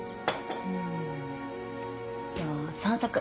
うーん。じゃあ散策。